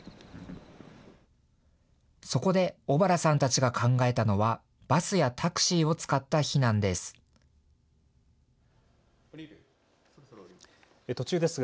そこで小原さんたちが考えたのはバスやタクシーを使った避難です。